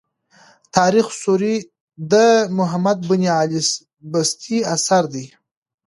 تاریخ سوري د محمد بن علي البستي اثر دﺉ.